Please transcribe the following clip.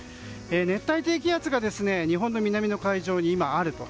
熱帯低気圧が日本の南の海上に今あると。